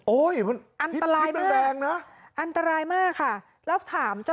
โอ๊ยพลิกดั้งนะอันตรายมากค่ะอันตรายมากค่ะ